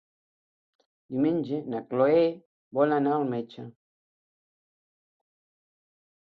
Diumenge na Cloè vol anar al metge.